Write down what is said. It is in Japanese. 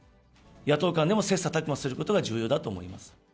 野党間でも切さたく磨することが重要だと思います。